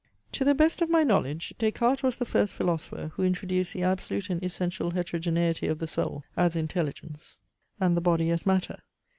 To the best of my knowledge Des Cartes was the first philosopher who introduced the absolute and essential heterogenity of the soul as intelligence, and the body as matter.